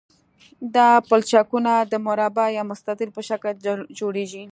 دا پلچکونه د مربع یا مستطیل په شکل جوړیږي